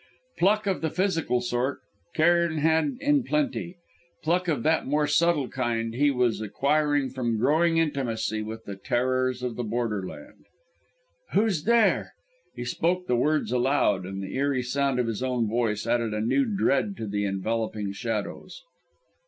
Pluck of the physical sort, Cairn had in plenty; pluck of that more subtle kind he was acquiring from growing intimacy with the terrors of the Borderland. "Who's there?" He spoke the words aloud, and the eerie sound of his own voice added a new dread to the enveloping shadows.